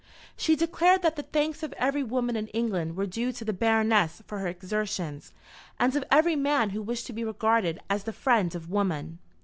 She declared that the thanks of every woman in England were due to the Baroness for her exertions, and of every man who wished to be regarded as the friend of women.